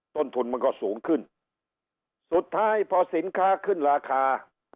ต้นทุนมันก็สูงขึ้นสุดท้ายพอสินค้าขึ้นราคา